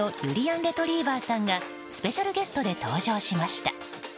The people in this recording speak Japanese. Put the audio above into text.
レトリィバァさんがスペシャルゲストで登場しました。